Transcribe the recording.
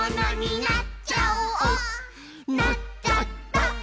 「なっちゃった！」